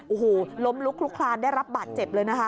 โอ้โหล้มลุกลุกคลานได้รับบาดเจ็บเลยนะคะ